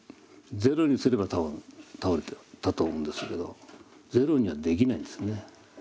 ゼロにすれば多分倒れてたと思うんですけどゼロにはできないんですね。